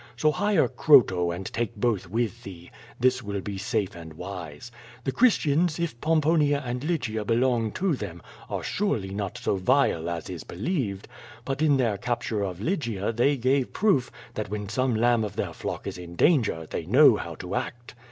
So hire Croto and take both with thee. This will be safe and wise. The Chris tians, if Pomponia and Lygia belong to them, are surely not so vile as is believed. But in their capture of Lygia they gave proof that when some lamb of their flock is in danger/ they know how to act.